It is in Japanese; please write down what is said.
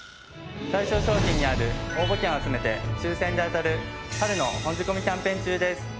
対象商品にある応募券を集めて抽選で当たる春の本仕込キャンペーン中です。